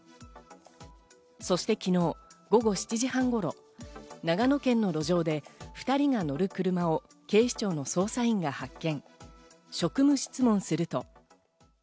そして昨日、午後７時半頃、長野県の路上で２人が乗る車を警視庁の捜査員が発見。